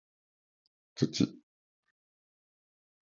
土